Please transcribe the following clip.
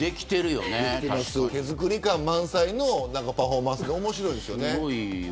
手作り感満載のパフォーマンスが面白いですよね。